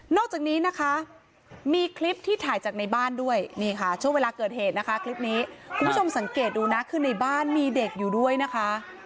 จากนี้นะคะมีคลิปที่ถ่ายจากในบ้านด้วยนี่ค่ะช่วงเวลาเกิดเหตุนะคะคลิปนี้คุณผู้ชมสังเกตดูนะคือในบ้านมีเด็กอยู่ด้วยนะคะ